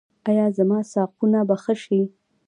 ایا زما ساقونه به ښه شي؟